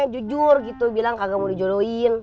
jujur gitu bilang kagak mau dijodohin